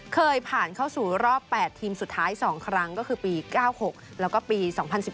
เคยผ่านเข้าสู่รอบ๘ทีมสุดท้าย๒ครั้งก็คือปี๙๖แล้วก็ปี๒๐๑๘